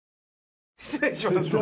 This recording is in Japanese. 失礼します。